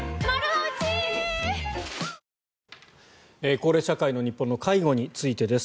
高齢社会の日本の介護についてです。